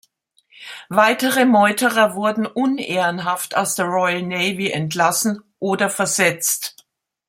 Weitere Meuterer wurden unehrenhaft aus der Royal Navy entlassen oder versetzt.